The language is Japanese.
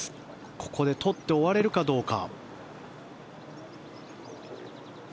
ここで取って終われるかどうか。